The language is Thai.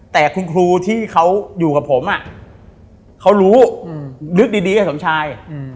แต่คุณครูที่เขาอยู่กับผมเขารู้ลึกดีไอ้สมชาย